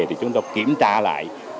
thì chúng tôi kiểm tra lại